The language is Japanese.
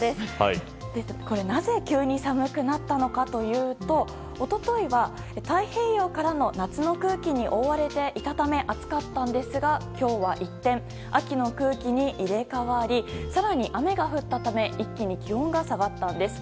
なぜ急に寒くなったのかというと一昨日は太平洋からの夏の空気に覆われていたため暑かったんですが今日は一転秋の空気に入れ替わり更に雨が降ったため一気に気温が下がったんです。